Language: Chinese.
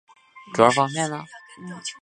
它们被用于天文物理学及密码破解之上。